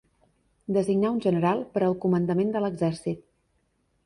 Designar un general per al comandament de l'exèrcit.